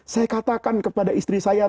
saya katakan kepada istri saya